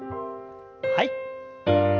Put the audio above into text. はい。